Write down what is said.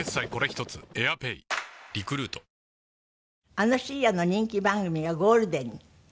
あの深夜の人気番組がゴールデンに？